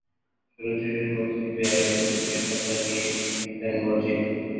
ছোটাছুটির মধ্যেই ব্যারেল লেখা চালিয়ে যান মর্জিনা।